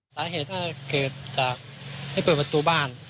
สาเหตุถ้าเกิดจากให้เปิดประตูบ้าน